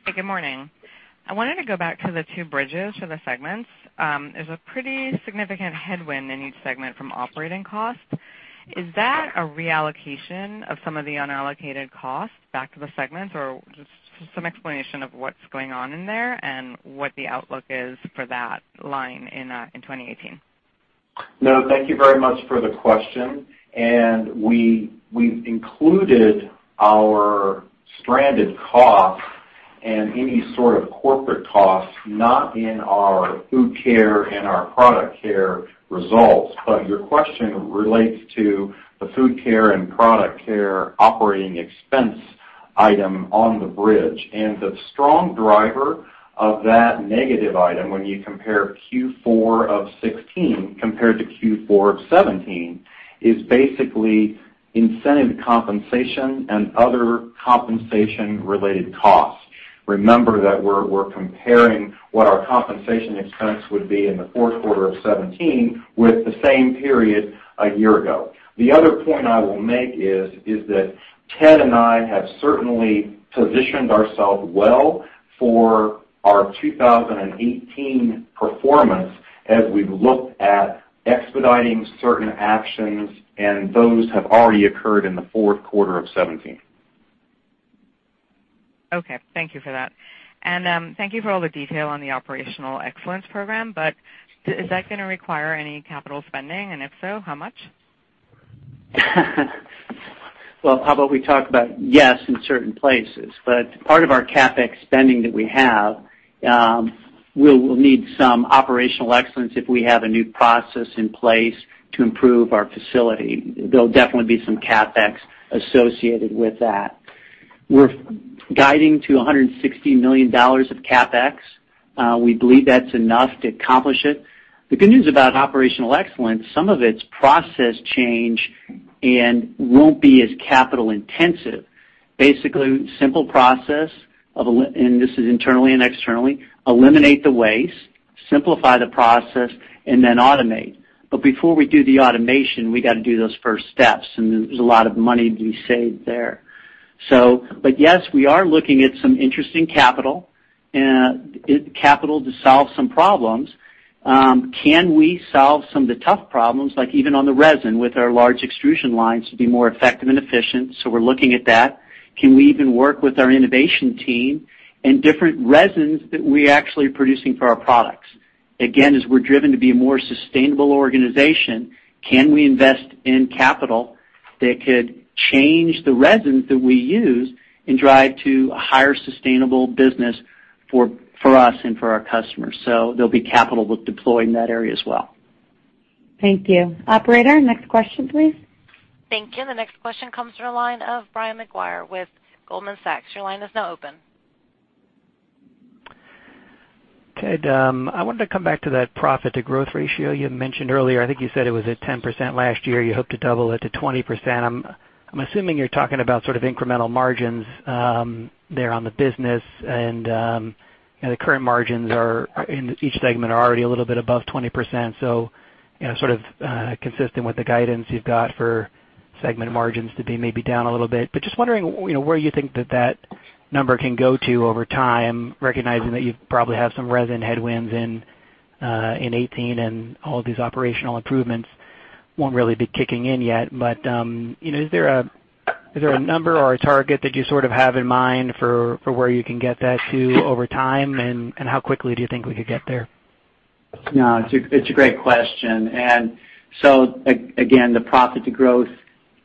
Hey, good morning. I wanted to go back to the two bridges for the segments. There's a pretty significant headwind in each segment from operating cost. Is that a reallocation of some of the unallocated costs back to the segments? Or just some explanation of what's going on in there and what the outlook is for that line in 2018. No, thank you very much for the question. We've included our stranded costs and any sort of corporate costs not in our Food Care and our Product Care results. Your question relates to the Food Care and Product Care operating expense item on the bridge. The strong driver of that negative item when you compare Q4 of 2016 compared to Q4 of 2017 is basically incentive compensation and other compensation-related costs. Remember that we're comparing what our compensation expense would be in the fourth quarter of 2017 with the same period a year ago. The other point I will make is that Ted and I have certainly positioned ourselves well for our 2018 performance as we've looked at expediting certain actions, and those have already occurred in the fourth quarter of 2017. Okay. Thank you for that. Thank you for all the detail on the operational excellence program. Is that going to require any capital spending? If so, how much? Well, how about we talk about yes, in certain places. Part of our CapEx spending that we have We'll need some operational excellence if we have a new process in place to improve our facility. There'll definitely be some CapEx associated with that. We're guiding to $160 million of CapEx. We believe that's enough to accomplish it. The good news about operational excellence, some of it's process change and won't be as capital intensive. Basically, simple process, and this is internally and externally, eliminate the waste, simplify the process, automate. Before we do the automation, we got to do those first steps, and there's a lot of money to be saved there. Yes, we are looking at some interesting capital to solve some problems. Can we solve some of the tough problems, like even on the resin with our large extrusion lines, to be more effective and efficient? We're looking at that. Can we even work with our innovation team and different resins that we actually are producing for our products? Again, as we're driven to be a more sustainable organization, can we invest in capital that could change the resins that we use and drive to a higher sustainable business for us and for our customers? There'll be capital deployed in that area as well. Thank you. Operator, next question, please. Thank you. The next question comes from the line of Brian Maguire with Goldman Sachs. Your line is now open. Ted, I wanted to come back to that profit to growth ratio you had mentioned earlier. I think you said it was at 10% last year. You hope to double it to 20%. I'm assuming you're talking about sort of incremental margins there on the business, and the current margins are in each segment are already a little bit above 20%. Sort of consistent with the guidance you've got for segment margins to be maybe down a little bit. Just wondering, where you think that number can go to over time, recognizing that you probably have some resin headwinds in 2018 and all of these operational improvements won't really be kicking in yet. Is there a number or a target that you sort of have in mind for where you can get that to over time, and how quickly do you think we could get there? No, it's a great question. Again, the profit to growth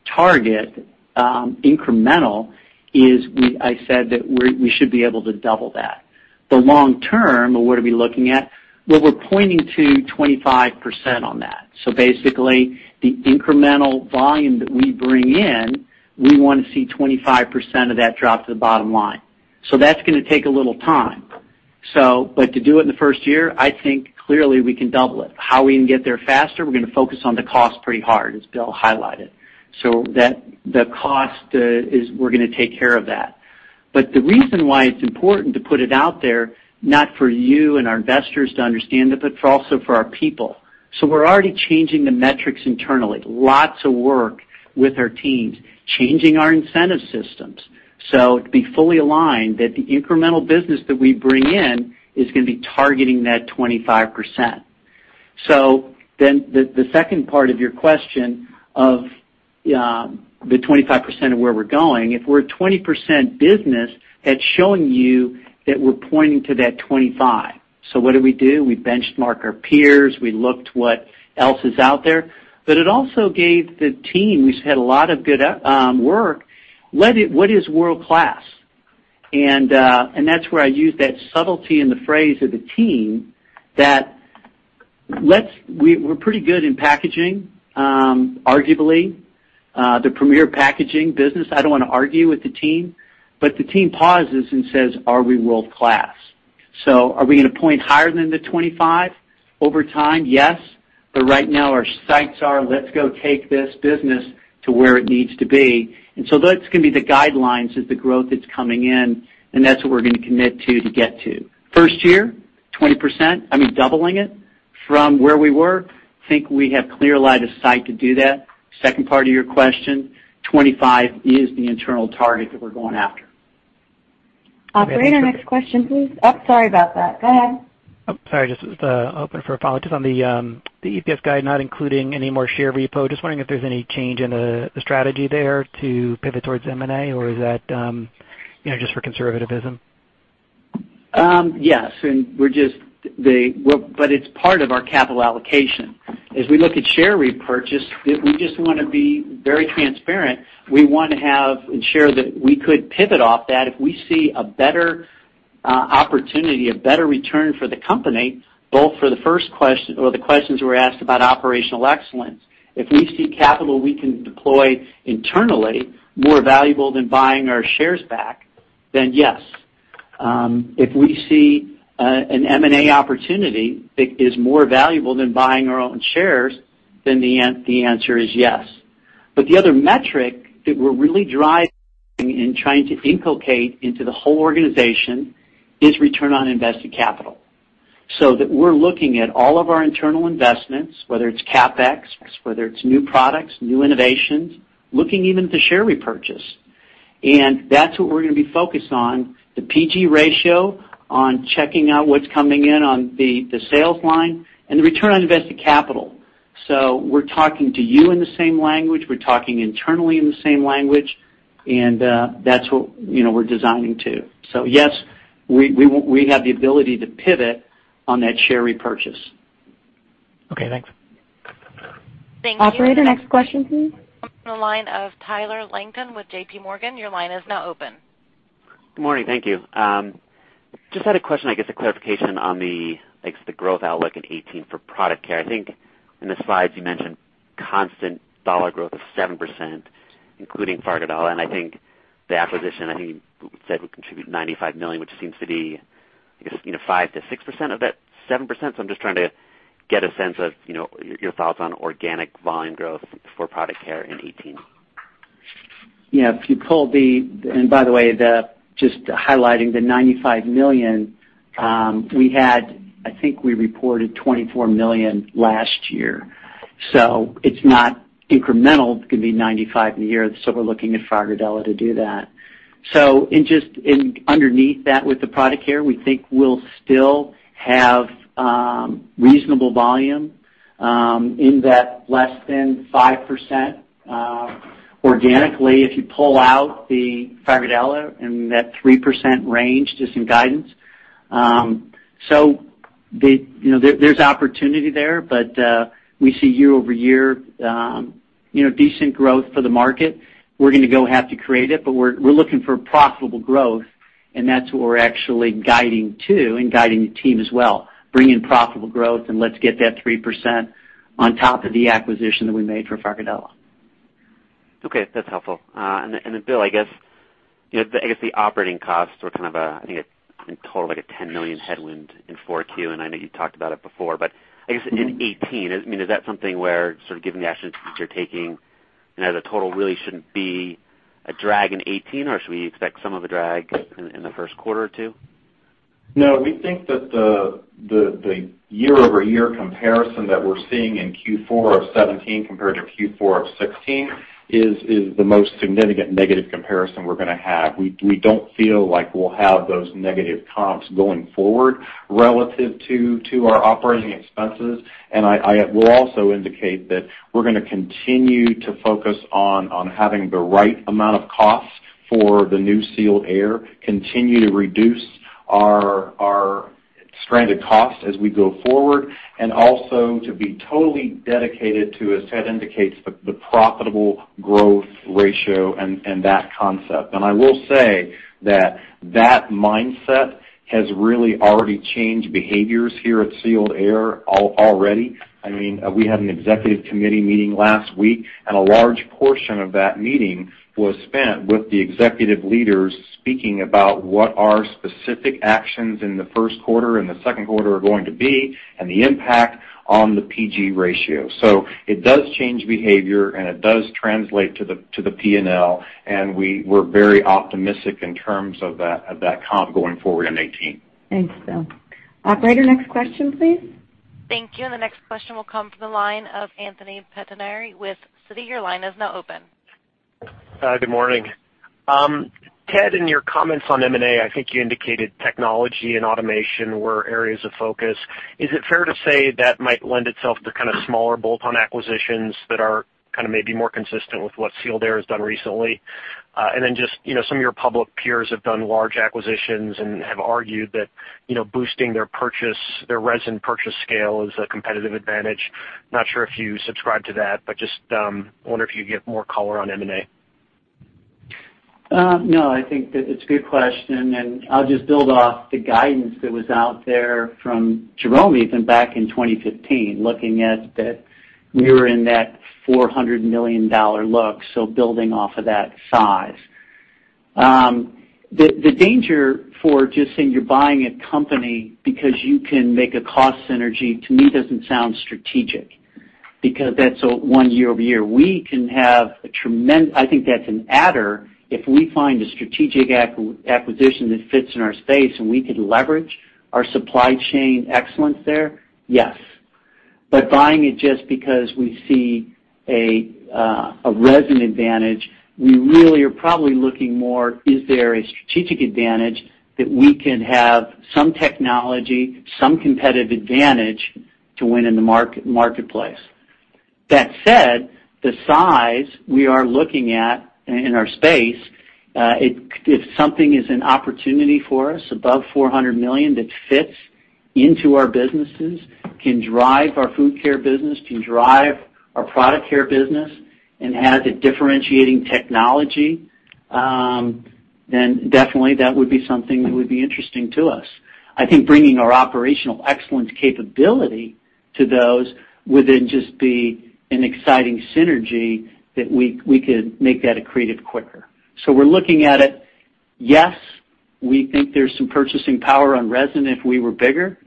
target, incremental, is I said that we should be able to double that. The long term of what are we looking at, what we're pointing to 25% on that. Basically, the incremental volume that we bring in, we want to see 25% of that drop to the bottom line. That's going to take a little time. To do it in the first year, I think clearly we can double it. How we can get there faster, we're going to focus on the cost pretty hard, as Bill highlighted, the cost is we're going to take care of that. The reason why it's important to put it out there, not for you and our investors to understand it, but also for our people. We're already changing the metrics internally. Lots of work with our teams, changing our incentive systems. To be fully aligned, that the incremental business that we bring in is going to be targeting that 25%. The second part of your question of the 25% of where we're going, if we're a 20% business, that's showing you that we're pointing to that 25. What do we do? We benchmark our peers. We looked what else is out there. It also gave the team, who's had a lot of good work, what is world-class? That's where I use that subtlety in the phrase of the team that we're pretty good in packaging, arguably, the premier packaging business. I don't want to argue with the team. The team pauses and says, "Are we world-class?" Are we going to point higher than the 25 over time? Yes. Right now our sights are, let's go take this business to where it needs to be. That's going to be the guidelines as the growth that's coming in, and that's what we're going to commit to get to. First year, 20%. I mean, doubling it from where we were. Think we have clear line of sight to do that. Second part of your question, 25 is the internal target that we're going after. Operator, next question, please. Oh, sorry about that. Go ahead. Oh, sorry, just open for a follow-up. Just on the EPS guide not including any more share repo. Just wondering if there's any change in the strategy there to pivot towards M&A, or is that just for conservativism? Yes. It's part of our capital allocation. As we look at share repurchase, we just want to be very transparent. We want to ensure that we could pivot off that if we see a better opportunity, a better return for the company, both for the first question or the questions we were asked about operational excellence. If we see capital we can deploy internally more valuable than buying our shares back, then yes. If we see an M&A opportunity that is more valuable than buying our own shares, then the answer is yes. The other metric that we're really driving and trying to inculcate into the whole organization is return on invested capital. We're looking at all of our internal investments, whether it's CapEx, whether it's new products, new innovations, looking even to share repurchase. That's what we're going to be focused on, the PG ratio on checking out what's coming in on the sales line and the return on invested capital. We're talking to you in the same language. We're talking internally in the same language, and that's what we're designing to. Yes, we have the ability to pivot on that share repurchase. Okay, thanks. Thank you. Operator, next question please. The line of Tyler Langton with J.P. Morgan, your line is now open. Good morning, thank you. Just had a question, I guess a clarification on the growth outlook in 2018 for Product Care. I think in the slides you mentioned constant dollar growth of 7%, including Fagerdala, and I think the acquisition you said would contribute $95 million, which seems to be 5%-6% of that 7%. I'm just trying to get a sense of your thoughts on organic volume growth for Product Care in 2018. Yeah. By the way, just highlighting the $95 million, I think we reported $24 million last year. It's not incremental. We're looking at Fagerdala to do that. Underneath that with the Product Care, we think we'll still have reasonable volume in that less than 5% organically, if you pull out the Fagerdala in that 3% range, just in guidance. There's opportunity there, but we see year-over-year decent growth for the market. We're going to go have to create it, but we're looking for profitable growth, and that's what we're actually guiding to and guiding the team as well. Bring in profitable growth, and let's get that 3% on top of the acquisition that we made for Fagerdala. Okay. That's helpful. Then Bill, I guess the operating costs were, I think in total, like a $10 million headwind in Q4, and I know you talked about it before, but I guess in 2018, is that something where, sort of given the actions that you're taking, the total really shouldn't be a drag in 2018, or should we expect some of the drag in the first quarter or two? We think that the year-over-year comparison that we're seeing in Q4 2017 compared to Q4 2016 is the most significant negative comparison we're going to have. We don't feel like we'll have those negative comps going forward relative to our operating expenses. I will also indicate that we're going to continue to focus on having the right amount of costs for the new Sealed Air, continue to reduce our stranded costs as we go forward, and also to be totally dedicated to, as Ted indicates, the profitable growth ratio and that concept. I will say that that mindset has really already changed behaviors here at Sealed Air already. We had an executive committee meeting last week, a large portion of that meeting was spent with the executive leaders speaking about what our specific actions in the first quarter and the second quarter are going to be and the impact on the PG ratio. It does change behavior, it does translate to the P&L, and we're very optimistic in terms of that comp going forward in 2018. Thanks, Bill. Operator, next question, please. Thank you. The next question will come from the line of Anthony Pettinari with Citi. Your line is now open. Hi, good morning. Ted, in your comments on M&A, I think you indicated technology and automation were areas of focus. Is it fair to say that might lend itself to kind of smaller bolt-on acquisitions that are maybe more consistent with what Sealed Air has done recently? Some of your public peers have done large acquisitions and have argued that boosting their resin purchase scale is a competitive advantage. Not sure if you subscribe to that, but just wonder if you could give more color on M&A? No, I think that it's a good question, and I'll just build off the guidance that was out there from Jerome even back in 2015, looking at that we were in that $400 million look, so building off of that size. The danger for just saying you're buying a company because you can make a cost synergy, to me, doesn't sound strategic, because that's one year-over-year. I think that's an adder if we find a strategic acquisition that fits in our space and we could leverage our supply chain excellence there, yes. Buying it just because we see a resin advantage, we really are probably looking more, is there a strategic advantage that we can have some technology, some competitive advantage to win in the marketplace. That said, the size we are looking at in our space, if something is an opportunity for us above $400 million that fits into our businesses, can drive our Food Care business, can drive our Product Care business, and has a differentiating technology, then definitely that would be something that would be interesting to us. I think bringing our operational excellence capability to those would then just be an exciting synergy that we could make that accretive quicker. We're looking at it. Yes, we think there's some purchasing power on resin if we were bigger,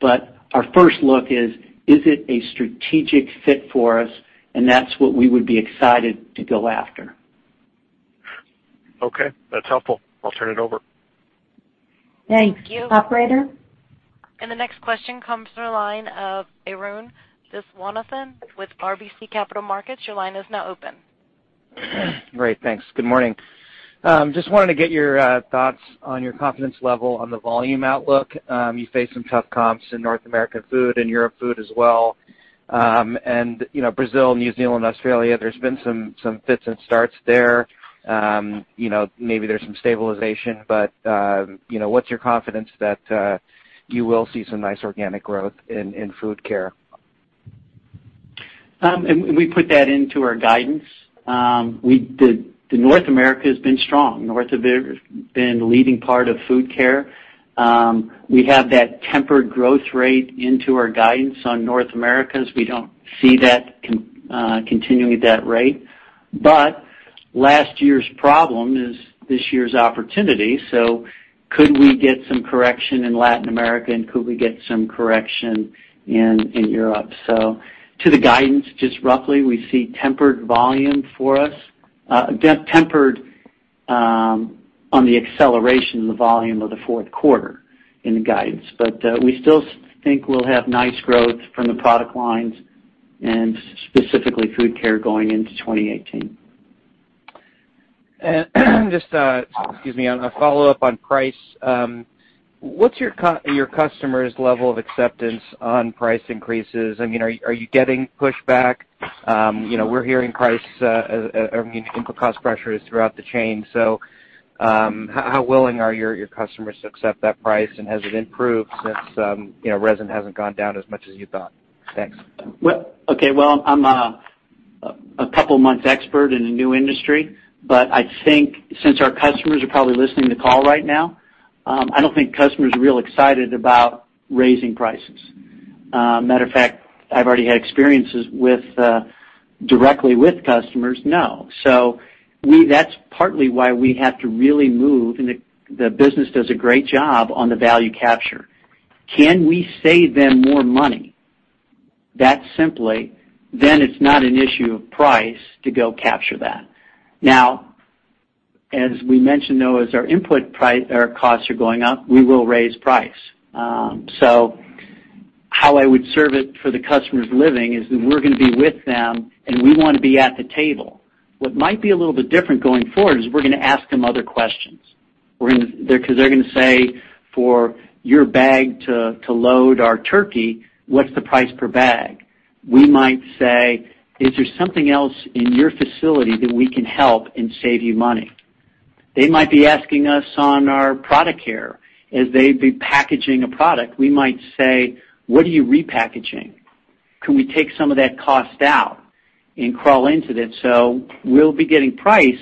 but our first look is it a strategic fit for us? That's what we would be excited to go after. Okay. That's helpful. I'll turn it over. Thank you. Operator? The next question comes from the line of Arun Viswanathan with RBC Capital Markets. Your line is now open. Great, thanks. Good morning. Just wanted to get your thoughts on your confidence level on the volume outlook. You face some tough comps in North America Food and Europe Food as well. Brazil, New Zealand, Australia, there's been some fits and starts there. Maybe there's some stabilization, but what's your confidence that you will see some nice organic growth in Food Care? We put that into our guidance. North America has been strong. North has been the leading part of Food Care. We have that tempered growth rate into our guidance on North America, as we don't see that continuing at that rate. Last year's problem is this year's opportunity. Could we get some correction in Latin America, and could we get some correction in Europe? To the guidance, just roughly, we see tempered volume for us, tempered on the acceleration of the volume of the fourth quarter in the guidance. We still think we'll have nice growth from the product lines and specifically Food Care going into 2018. Just, excuse me, a follow-up on price. What's your customers' level of acceptance on price increases? Are you getting pushback? We're hearing price, input cost pressures throughout the chain. How willing are your customers to accept that price, and has it improved since resin hasn't gone down as much as you thought? Thanks. Okay. Well, I'm a couple months expert in a new industry, but I think since our customers are probably listening to the call right now, I don't think customers are real excited about raising prices. Matter of fact, I've already had experiences directly with customers. No. That's partly why we have to really move, and the business does a great job on the value capture. Can we save them more money? Then it's not an issue of price to go capture that. As we mentioned, though, as our input costs are going up, we will raise price. How I would serve it for the customers living is that we're going to be with them, and we want to be at the table. What might be a little bit different going forward is we're going to ask them other questions. They're going to say, "For your bag to load our turkey, what's the price per bag?" We might say, "Is there something else in your facility that we can help and save you money?" They might be asking us on our Product Care. As they'd be packaging a product, we might say, "What are you repackaging? Can we take some of that cost out and crawl into that?" We'll be getting price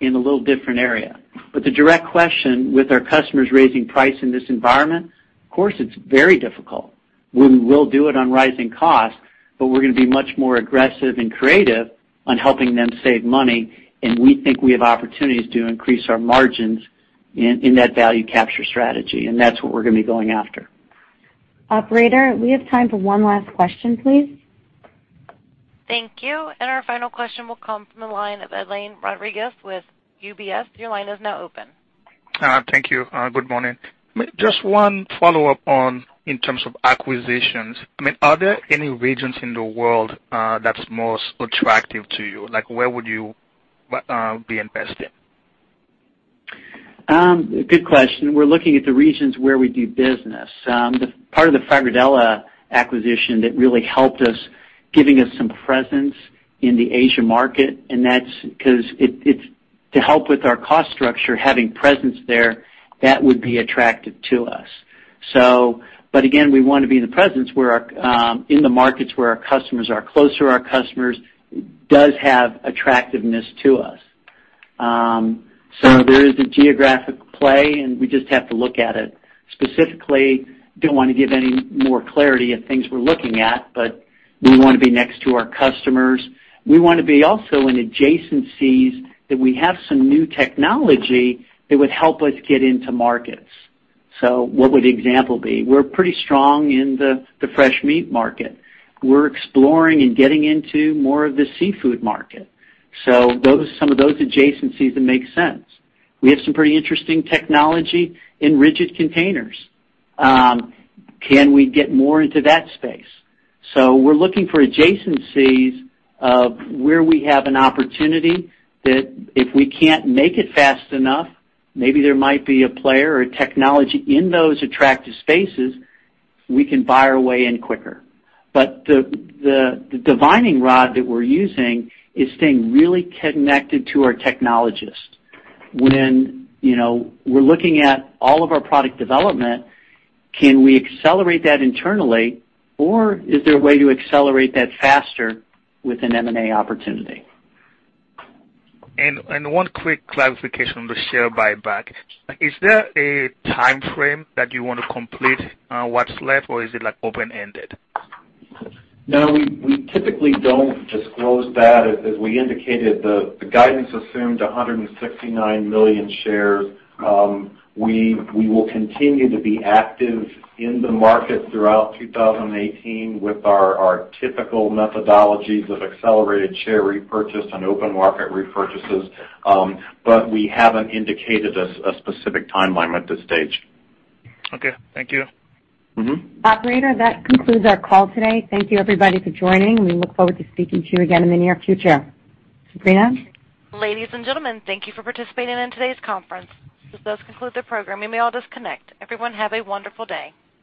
in a little different area. The direct question with our customers raising price in this environment, of course, it's very difficult. We will do it on rising costs, but we're going to be much more aggressive and creative on helping them save money, and we think we have opportunities to increase our margins in that value capture strategy, and that's what we're going to be going after. Operator, we have time for one last question, please. Thank you. Our final question will come from the line of Edlain Rodriguez with UBS. Your line is now open. Thank you. Good morning. Just one follow-up on in terms of acquisitions. Are there any regions in the world that's most attractive to you? Where would you be invested? Good question. We're looking at the regions where we do business. The part of the Fagerdala acquisition that really helped us, giving us some presence in the Asia market, and that's because to help with our cost structure, having presence there, that would be attractive to us. Again, we want to be in the markets where our customers are. Close to our customers does have attractiveness to us. There is a geographic play, and we just have to look at it. Specifically, don't want to give any more clarity of things we're looking at, but we want to be next to our customers. We want to be also in adjacencies that we have some new technology that would help us get into markets. What would the example be? We're pretty strong in the fresh meat market. We're exploring and getting into more of the seafood market. Some of those adjacencies that make sense. We have some pretty interesting technology in rigid containers. Can we get more into that space? We're looking for adjacencies of where we have an opportunity that if we can't make it fast enough, maybe there might be a player or a technology in those attractive spaces we can buy our way in quicker. The divining rod that we're using is staying really connected to our technologists. When we're looking at all of our product development, can we accelerate that internally, or is there a way to accelerate that faster with an M&A opportunity? One quick clarification on the share buyback. Is there a timeframe that you want to complete what's left, or is it open-ended? No, we typically don't disclose that. As we indicated, the guidance assumed 169 million shares. We will continue to be active in the market throughout 2018 with our typical methodologies of accelerated share repurchase and open market repurchases. We haven't indicated a specific timeline at this stage. Okay. Thank you. Operator, that concludes our call today. Thank you everybody for joining. We look forward to speaking to you again in the near future. Sabrina? Ladies and gentlemen, thank you for participating in today's conference. This does conclude the program. You may all disconnect. Everyone, have a wonderful day.